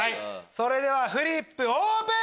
それではフリップオープン！